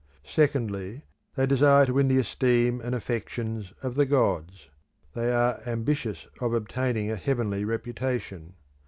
Secondly, they desire to win the esteem and affections of the gods; they are ambitious of obtaining a heavenly reputation.